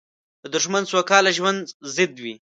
دښمن د سوکاله ژوند ضد وي